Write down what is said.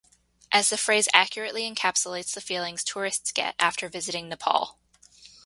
As the phrase accurately encapsulates the feelings tourists get after visiting Nepal.